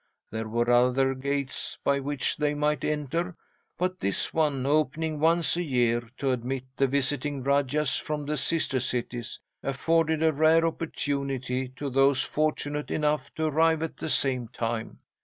There were other gates by which they might enter, but this one, opening once a year to admit the visiting rajahs from the sister cities, afforded a rare opportunity to those fortunate enough to arrive at the same time.